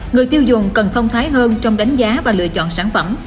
người tiêu dùng cần thông thái hơn trong đánh giá và lựa chọn sản phẩm